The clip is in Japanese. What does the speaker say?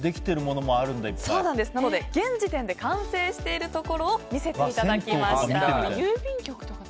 現時点で完成しているところを見せていただきました。